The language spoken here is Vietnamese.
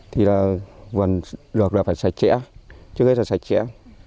thì vườn được là phải sạch chẽ trước hết là sạch chẽ